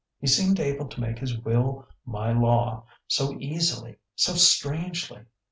He seemed able to make his will my law so easily so strangely!...